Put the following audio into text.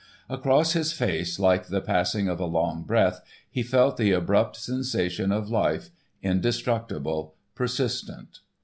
Across his face, like the passing of a long breath, he felt the abrupt sensation of life, indestructible, persistent.